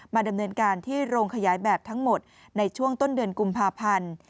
ดำเนินการที่โรงขยายแบบทั้งหมดในช่วงต้นเดือนกุมภาพันธ์